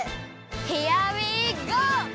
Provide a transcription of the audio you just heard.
ヒアウィーゴー！